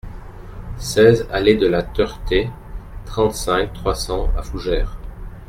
seize allée de la Teurtais, trente-cinq, trois cents à Fougères